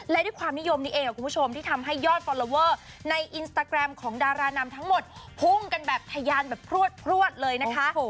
และด้วยความนิยมนี้เองคุณผู้ชมที่ทำให้ยอดฟอลลอเวอร์ในอินสตาแกรมของดารานำทั้งหมดพุ่งกันแบบทะยานแบบพลวดเลยนะคะ